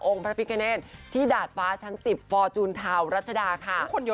พระพิกเนตที่ดาดฟ้าชั้น๑๐ฟอร์จูนทาวรัชดาค่ะ